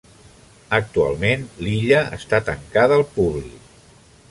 Actualment l'illa està tancada al públic.